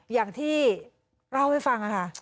อย่างที่เล่าให้ฟังค่ะ